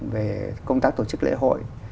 về công tác tổ chức lễ hội